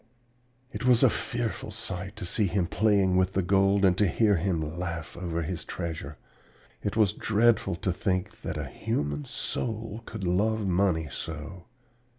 "It was a fearful sight to see him playing with the gold and to hear him laugh over his treasure. It was dreadful to think that a human soul could love money so.